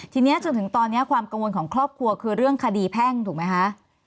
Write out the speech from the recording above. ทีนี้จนถึงตอนนี้ความกังวลของครอบครัวคือเรื่องคดีแพ่งถูกไหมคะ